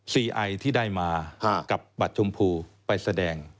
ไอที่ได้มากับบัตรชมพูไปแสดง